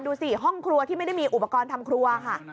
ดูสิห้องครัวที่ไม่ได้มีอุปกรณ์ทำครัวค่ะ